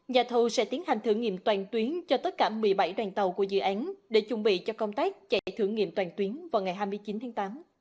nhà thầu sẽ tiến hành thử nghiệm toàn tuyến cho tất cả một mươi bảy đoàn tàu của dự án để chuẩn bị cho công tác chạy thử nghiệm toàn tuyến vào ngày hai mươi chín tháng tám